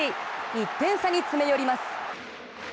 １点差に詰め寄ります。